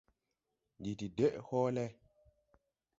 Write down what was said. Ndi de deʼ hɔɔlɛ.